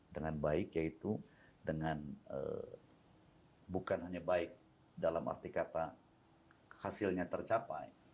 dengan baik yaitu dengan bukan hanya baik dalam arti kata hasilnya tercapai